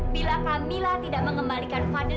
bila kamila tidak mengembalikan fadil